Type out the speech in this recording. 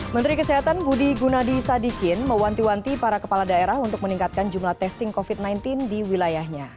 menteri kesehatan budi gunadi sadikin mewanti wanti para kepala daerah untuk meningkatkan jumlah testing covid sembilan belas di wilayahnya